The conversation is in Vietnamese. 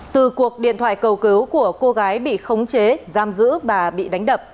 từ cuộc điện thoại cầu cứu của cô gái bị khống chế giam giữ bà bị đánh đập